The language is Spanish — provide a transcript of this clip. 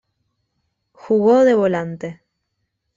Jugó de volante.